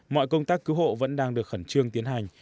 mọi công tác cứu hộ vẫn đang được khẩn trương tiến hành